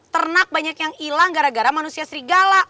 ternak banyak yang hilang gara gara manusia serigala